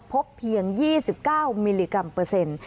พบเพียง๒๙มิลลิกรัมเปอร์เซ็นต์